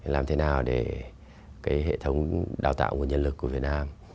làm thế nào để cái hệ thống đào tạo nguồn nhân lực của việt nam